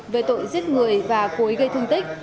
về tội giết người và cố ý gây thương tích